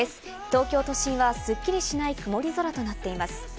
東京都心はすっきりしない曇り空となっています。